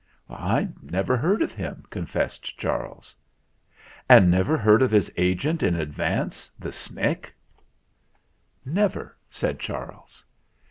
"I never heard of him," confessed Charles. "And never heard of his Agent in Advance, the Snick?" "Never," said Charles.